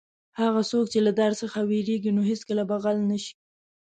هغه څوک چې له دار څخه وېرېږي نو هېڅکله به غل نه شي.